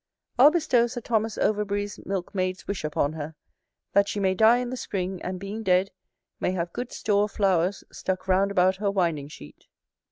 I'll bestow Sir Thomas Overbury's milk maid's wish upon her, "that she may die in the Spring; and, being dead, may have good store of flowers stuck round about her winding sheet".